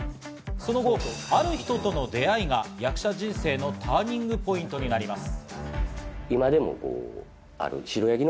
その後、ある人との出会いが役者人生のターニングポイントになります。